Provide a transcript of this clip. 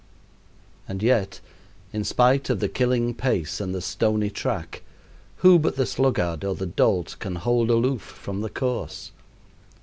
And yet, in spite of the killing pace and the stony track, who but the sluggard or the dolt can hold aloof from the course?